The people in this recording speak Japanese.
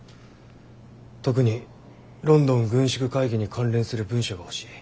特にロンドン軍縮会議に関連する文書が欲しい。